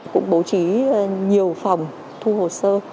cũng bố trí nhiều phòng thu hồ sơ